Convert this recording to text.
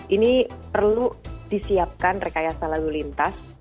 ini perlu disiapkan rekayasa lalu lintas